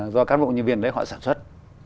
do cán bộ nhân viên đấy họ sản xuất